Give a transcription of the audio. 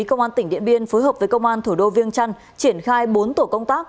công an tỉnh điện biên phối hợp với công an thủ đô viêng trăn triển khai bốn tổ công tác